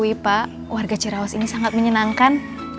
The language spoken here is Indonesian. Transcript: saya akui pak warga cirawas ini sangat menyenangkan